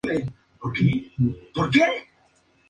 Palestina clasificó a una atleta en esta disciplina.